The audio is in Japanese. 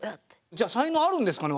じゃあ才能あるんですかね